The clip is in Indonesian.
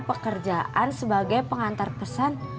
pekerjaan sebagai pengantar pesan